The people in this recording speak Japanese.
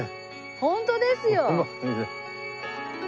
ホントですよ！